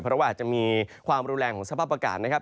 เพราะว่าอาจจะมีความรุนแรงของสภาพอากาศนะครับ